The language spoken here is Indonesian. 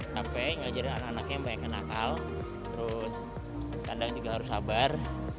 sampai ngajarin anak anaknya banyak yang nakal terus kadang juga harus sabar